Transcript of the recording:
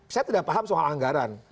saya tidak paham soal anggaran